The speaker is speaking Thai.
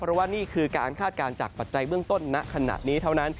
เพราะว่านี่คือการคาดการณ์จากปัจจัยเบื้องต้นณขณะนี้เท่านั้น